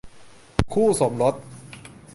คู่สมรส